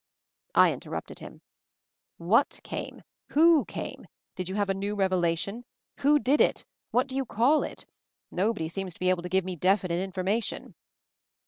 I interrupted him. "What came? Who came? Did you have a new revelation? Who did it? What do you call it ? Nobody seems to be able to give me definite information."